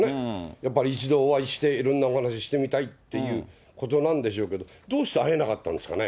やっぱり一度お会いして、いろんなお話ししてみたいっていうことなんでしょうけど、どうして会えなかったんですかね。